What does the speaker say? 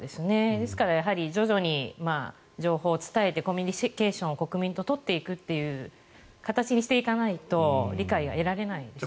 ですからやはり徐々に情報を伝えてコミュニケーションを国民と取っていくという形にしていかないと理解が得られないですね。